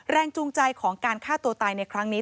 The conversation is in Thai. จูงใจของการฆ่าตัวตายในครั้งนี้